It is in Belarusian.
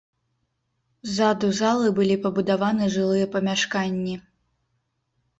Ззаду залы былі пабудаваны жылыя памяшканні.